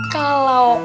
kalau aku menang